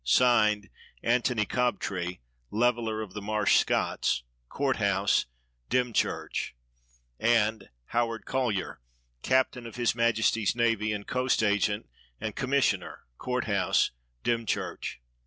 [Signed] Antony Cobtree, Leveller of the Marsh Scotts, Court House, Dymchurch, and Howard Collyer, Captain of his Majesty's Navy, and Coast Agent and Com missioner, Court House, Dymchurch.